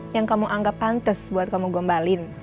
yang kamu anggap pantes buat kamu gombalin